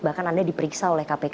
bahkan anda diperiksa oleh kpk